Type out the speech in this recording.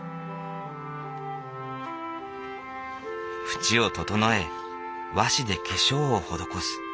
縁を整え和紙で化粧を施す。